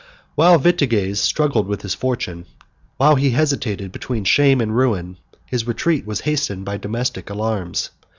While Vitiges struggled with his fortune, while he hesitated between shame and ruin, his retreat was hastened by domestic alarms.